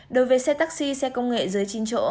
đối với xe taxi xe công nghệ dưới chín chỗ